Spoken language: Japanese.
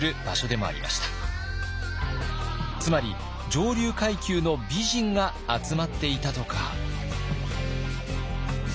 つまり上流階級の美人が集まっていたとか。